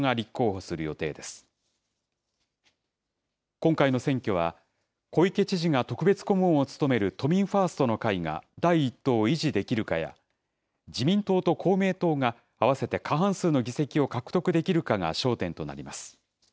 今回の選挙は、小池知事が特別顧問を務める都民ファーストの会が第１党を維持できるかや、自民党と公明党が合わせて過半数の議席を獲得できるかが焦点となります。